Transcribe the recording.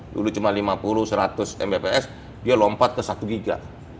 dulu cuma lima puluh seratus mbps dia lompat ke satu giga